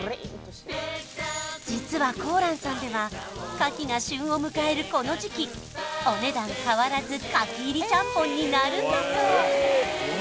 実は香蘭さんでは牡蠣が旬を迎えるこの時期お値段変わらず牡蠣入りちゃんぽんになるんだそう